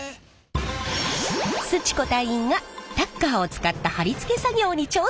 すち子隊員がタッカーを使った張り付け作業に挑戦！